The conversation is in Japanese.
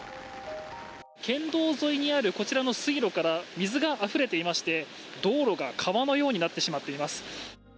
県道沿いにあるこちらの水路から水があふれていまして道路が川のようになってしまっています。